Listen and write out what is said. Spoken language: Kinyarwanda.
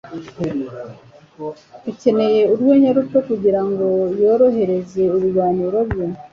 Akeneye urwenya ruto kugirango yorohereze ibiganiro bye.